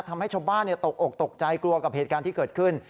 ทำให้ชาวบ้านตกอกตกใจกลัวกับเหตุการณ์ที่เกิดขึ้น